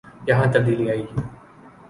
یہاں تبدیلی آئے گی۔